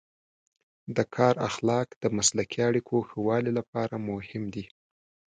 د کار اخلاق د مسلکي اړیکو ښه والي لپاره مهم دی.